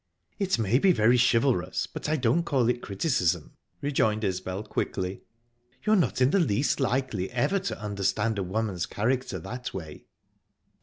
"It may be very chivalrous, but I don't call it criticism," rejoined Isbel quickly. "You're not in the least likely ever to understand a woman's character that way."